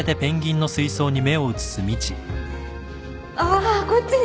ああこっちに。